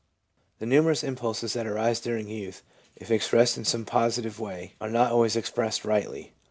The numerous impulses that arise during youth, if expressed in some positive way, are not always ex pressed rightly.